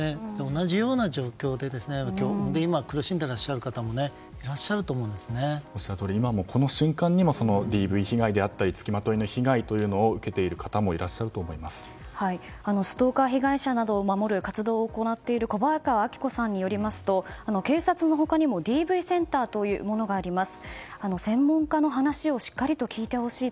同じような状況で今苦しんでいらっしゃる方もおっしゃるとおり今も、この瞬間にもＤＶ被害であったり付きまといの被害を受けている方もストーカー被害者などを守る活動を行っているコバヤカワ・アキコさんによりますと警察の他にもＤＶセンターというものがあります。